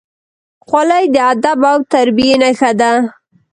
خولۍ د ادب او تربیې نښه ده.